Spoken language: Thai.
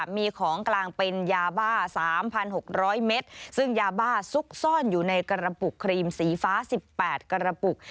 มีของกลางเป็นยาบ้า๓๖๐๐เมตรซึ่งยาบ้าซุกซ่อนอยู่ในกระปุกครีมสีฟ้า๑๘กระปุก